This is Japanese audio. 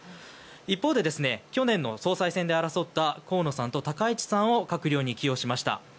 一方で去年の総裁選で争った河野さんと高市さんを閣僚に起用しました。